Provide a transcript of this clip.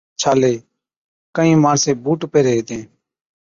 ڇالي (Corns) ڪهِين ماڻسين بُوٽ پيهرين هِتين،